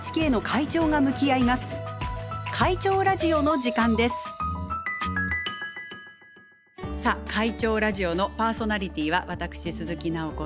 「会長ラジオ」のパーソナリティーは私鈴木奈穂子と。